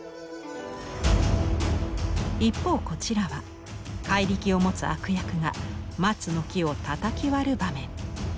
一方こちらは怪力を持つ悪役が松の木をたたき割る場面。